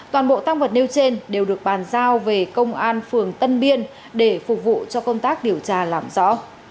toàn bộ tăng vật nêu trên đều được bàn giao về công an phường tân biên để phục vụ cho công tác điều tra làm rõ